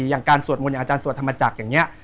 อย่างการสวดมนต์อย่างอาจารย์สวดธรรมจักรอย่างนี้